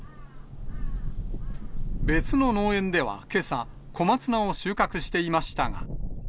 別の農園ではけさ、小松菜を収穫していましたが。